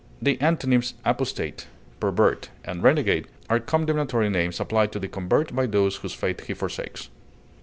The antonyms apostate, pervert, and renegade are condemnatory names applied to the convert by those whose faith he forsakes.